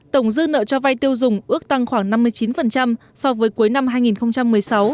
tổng dư nợ cho vay tiêu dùng ước tăng khoảng năm mươi chín so với cuối năm hai nghìn một mươi sáu